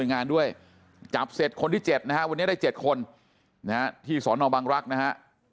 งานด้วยจับเสร็จคนที่๗นะฮะวันนี้ได้๗คนนะฮะที่สอนอบังรักษ์นะฮะ